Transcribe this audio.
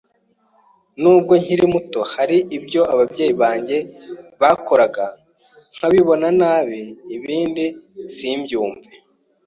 N’ubwo nkiri muto hari ibyo ababyeyi banjye bakoraga nkabibona nabi ibindi simbyumve,